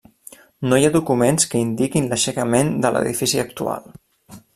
No hi ha documents que indiquin l'aixecament de l'edifici actual.